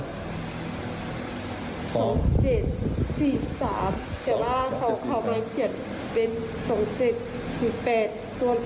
แต่ว่าเขามาเขียนเป็น๒๗๘คน